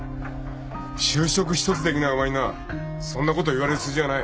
就職一つできないお前になそんなこと言われる筋合いはない。